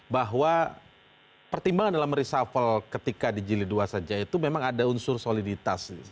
bahwa pertimbangan dalam reshuffle ketika dijilidua saja itu memang ada unsur soliditas